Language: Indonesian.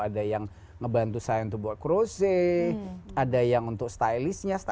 ada yang ngebantu saya untuk buat crose ada yang untuk stylistnya